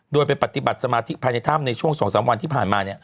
โดยไปปฏิบัติสมาธิภายในถ้ำในช่วง๒๓วันที่ผ่านมา